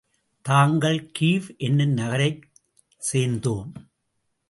தாங்கள் கீவ் என்னும் நகரைச் சேர்ந்தோம்.